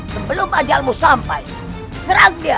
sebelum ajalmu sampai serang dia